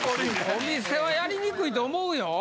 お店はやりにくいと思うよ。